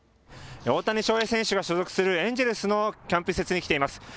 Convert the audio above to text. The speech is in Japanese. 大谷翔平選手が所属するエンジェルスのキャンプ施設に来ています。